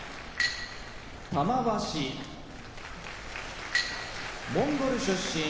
玉鷲モンゴル出身